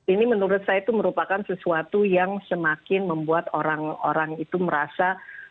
ini menurut saya itu merupakan sesuatu yang semakin membuat orang orang itu merasa